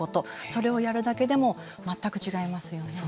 それをやるだけでも全く違いますよね。